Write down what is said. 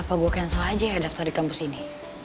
apa gue cancel aja ya daftar di kampus ini